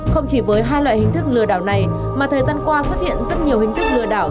không chỉ với hai loại hình thức lừa đảo này mà thời gian qua xuất hiện rất nhiều hình thức lừa đảo